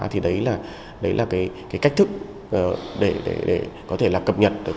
thì đấy là cách thức để có thể cập nhật